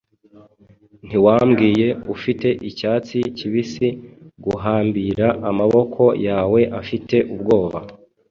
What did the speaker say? Ntiwambwiye ufite icyatsi kibisi guhambira amaboko yawe afite ubwoba